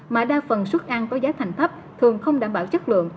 mà đa phần suất ăn có giá thành thấp thường không đảm bảo chất lượng